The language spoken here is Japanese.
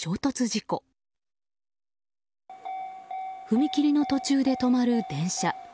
踏切の途中で止まる電車。